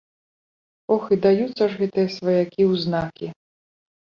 Ох, і даюцца ж гэтыя сваякі ў знакі.